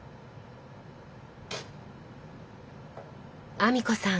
阿美子さん